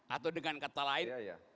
atau dengan kata lain